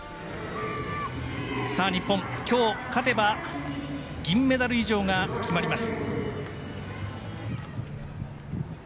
日本、今日勝てば銀メダル以上が決まります。